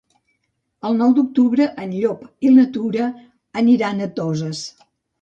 El nou d'octubre en Llop i na Tura aniran a Toses.